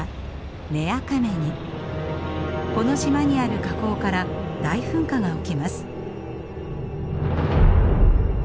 この島にある火口から大噴火が起きます。